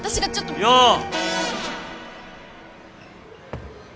よう。